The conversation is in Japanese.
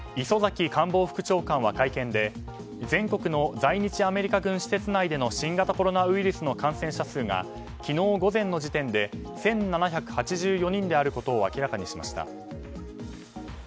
磯崎官房副長官は、会見で全国の在日アメリカ軍施設内での新型コロナウイルスの感染者数が昨日午前の時点で１７８４人であることを明らかにしました。